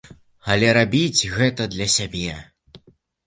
Але рабіць гэта для сябе.